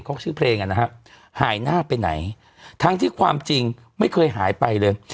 เขาชื่อเพลงอ่ะนะฮะหายหน้าไปไหนทั้งที่ความจริงไม่เคยหายไปเลย